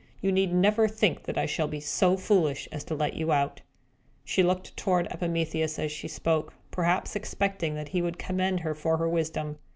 You need never think that I shall be so foolish as to let you out!" She looked toward Epimetheus, as she spoke, perhaps expecting that he would commend her for her wisdom.